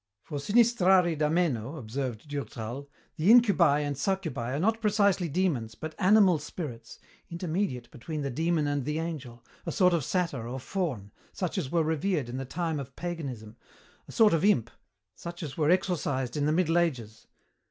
"For Sinistrari d'Ameno," observed Durtal, "the incubi and succubi are not precisely demons, but animal spirits, intermediate between the demon and the angel, a sort of satyr or faun, such as were revered in the time of paganism, a sort of imp, such as were exorcised in the Middle Ages.